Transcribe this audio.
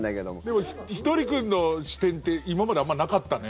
でもひとり君の視点って今まであんまりなかったね。